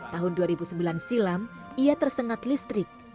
tahun dua ribu sembilan silam ia tersengat listrik